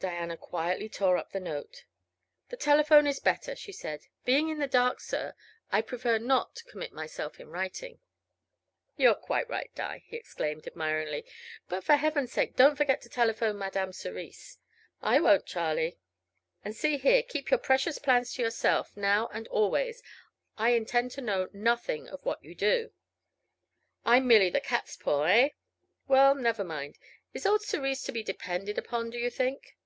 Diana quietly tore up the note. "The telephone is better," she said. "Being in the dark, sir, I prefer not to commit myself in writing." "You're quite right, Di," he exclaimed, admiringly. "But for heaven's sake don't forget to telephone Madame Cerise." "I won't Charlie. And, see here, keep your precious plans to yourself, now and always. I intend to know nothing of what you do." "I'm merely the cats paw, eh? Well, never mind. Is old Cerise to be depended upon, do you think?"